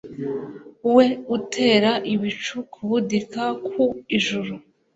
we utera ibicu kubudika ku ijuru